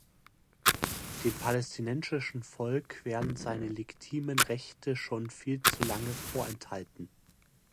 Dem palästinensischen Volk werden seine legitimen Rechte schon viel zu lange vorenthalten.